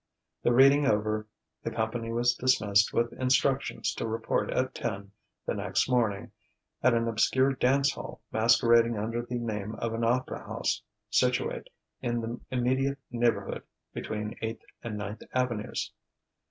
The reading over, the company was dismissed with instructions to report at ten the next morning at an obscure dance hall masquerading under the name of an opera house, situate in the immediate neighbourhood, between Eighth and Ninth Avenues.